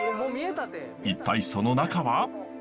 一体その中は。